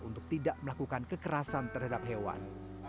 untuk tidak melakukan kekerasan terhadap hewan